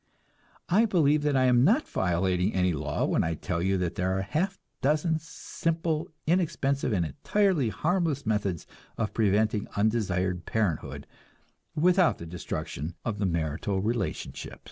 I believe that I am not violating any law when I tell you that there are half a dozen simple, inexpensive, and entirely harmless methods of preventing undesired parenthood without the destruction of the marital relationship.